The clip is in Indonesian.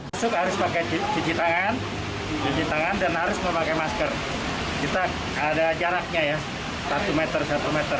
pesok harus pakai cuci tangan dan harus memakai masker